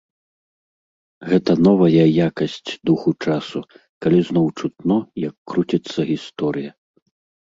Гэта новая якасць духу часу, калі зноў чутно, як круціцца гісторыя.